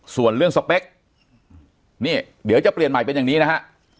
ส่วนเรื่องสเปคนี่เดี๋ยวจะเปลี่ยนใหม่เป็นอย่างนี้นะฮะ